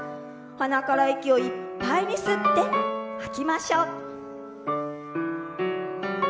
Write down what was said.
鼻から息をいっぱいに吸って吐きましょう。